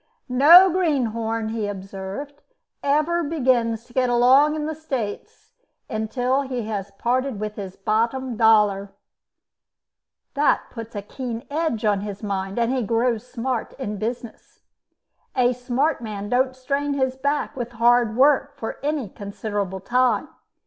"No greenhorn," he observed, "ever begins to get along in the States until he has parted with his bottom dollar. That puts a keen edge on his mind, and he grows smart in business. A smart man don't strain his back with hard work for any considerable time.